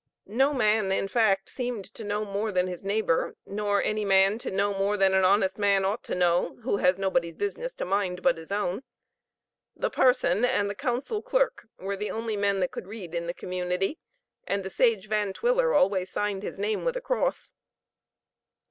No man in fact seemed to know more than his neighbor, nor any man to know more than an honest man ought to know, who has nobody's business to mind but his own; the parson and the council clerk were the only men that could read in the community, and the sage Van Twiller always signed his name with a cross.